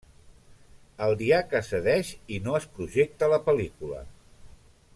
El diaca cedeix i no es projecta la pel·lícula.